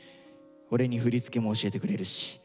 俺に振り付けも教えてくれるし。